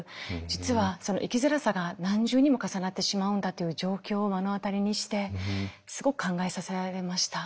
実はその生きづらさが何重にも重なってしまうんだという状況を目の当たりにしてすごく考えさせられました。